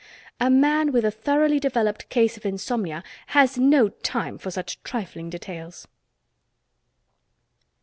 A man with a thoroughly developed case of insomnia has no time for such trifling details.